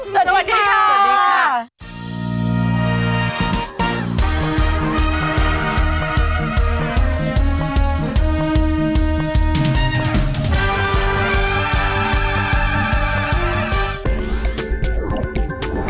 สวัสดีค่ะ